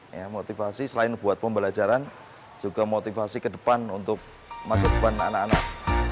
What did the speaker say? ya motivasi selain buat pembelajaran juga motivasi ke depan untuk masuk ke anak anak